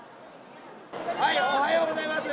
おはようございます。